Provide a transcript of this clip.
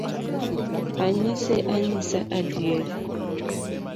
Anyise anyisa adier